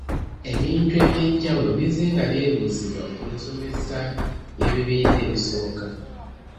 Ebintu eby’enjawulo bizzenga byebuuzibwa ku nsomesa y'ebibiina ebisooka.